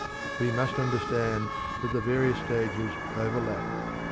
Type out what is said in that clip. But he must understand that the various stages overlap.